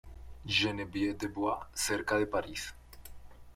Genevieve de Bois, cerca de París.